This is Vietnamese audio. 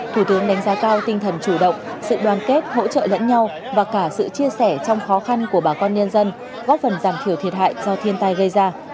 thủ tướng đánh giá cao tinh thần chủ động sự đoàn kết hỗ trợ lẫn nhau và cả sự chia sẻ trong khó khăn của bà con nhân dân góp phần giảm thiểu thiệt hại do thiên tai gây ra